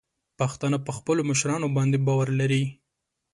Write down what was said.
پښتانه په خپلو مشرانو باندې باور لري.